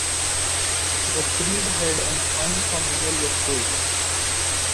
The grid had an unfamiliar look to it.